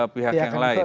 pihak yang lain